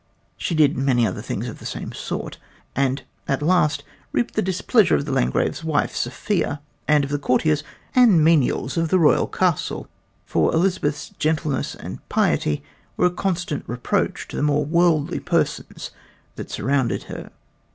She did many other things of the same sort, and at last reaped the displeasure of the Landgrave's wife, Sophia, and of the courtiers and menials of the royal castle, for Elizabeth's gentleness and piety were a constant reproach to the more worldly persons that surrounded her.